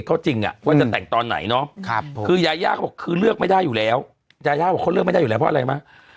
เขาจริงว่าจะแต่งตอนไหนเนาะคือยายาเขาบอกคือเลือกไม่ได้อยู่แล้วยาย่าบอกเขาเลือกไม่ได้อยู่แล้วเพราะอะไรมั้ย